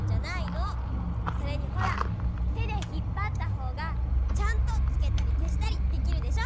それにほらてでひっぱったほうがちゃんとつけたりけしたりできるでしょ。